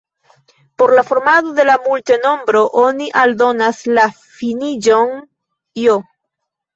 Por la formado de la multenombro oni aldonas la finiĝon j.